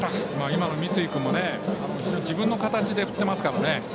今の三井君も自分の形で振ってますからね。